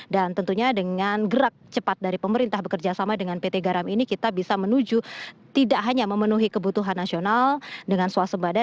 dan tentunya dengan gerak cepat dari pemerintah bekerjasama dengan pt garam ini kita bisa menuju tidak hanya memenuhi kebutuhan nasional dengan swasembada